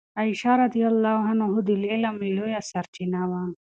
عائشه رضی الله عنها د علم لویه سرچینه وه.